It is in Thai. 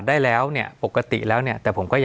สวัสดีครับทุกผู้ชม